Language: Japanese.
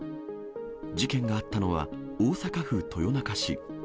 事件があったのは、大阪府豊中市。